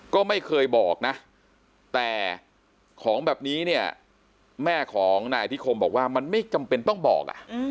ก็ไม่เคยบอกนะแต่ของแบบนี้เนี่ยแม่ของนายอธิคมบอกว่ามันไม่จำเป็นต้องบอก